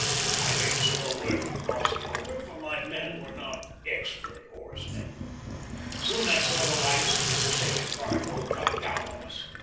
I made slow work in crossing over, for my men were not expert oarsmen. Soon I saw the lights of the secession guard boat coming down on us.